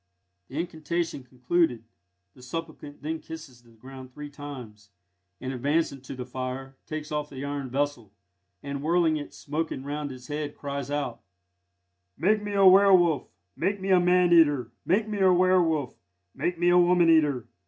The incantation concluded, the supplicant then kisses the ground three times, and advancing to the fire, takes off the iron vessel, and whirling it smoking round his head, cries out: "Make me a werwolf! make me a man eater! Make me a werwolf! make me a woman eater!